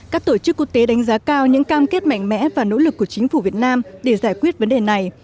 các tổ chức quốc tế đánh giá cao những cam kết mạnh mẽ và nỗ lực của chính phủ việt nam để giải quyết vấn đề này